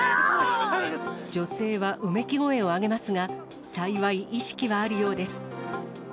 女性はうめき声を上げますが、幸い、意識はあるようです。